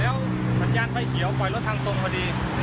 แล้วสัญญาณไฟเขียวปล่อยรถทางตรงพอดี